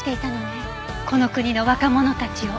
この国の若者たちを。